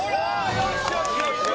よしよしよし